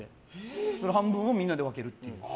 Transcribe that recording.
半分をみんなで分けるっていう。